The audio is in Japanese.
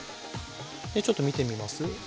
ちょっと見てみます？